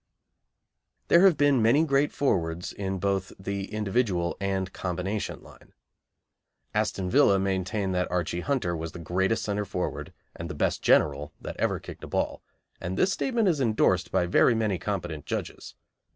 There have been many great forwards both in the individual and combination line. Aston Villa maintain that Archie Hunter was the greatest centre forward and the best general that ever kicked a ball, and this statement is endorsed by very many competent judges.